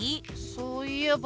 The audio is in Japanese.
そういえば。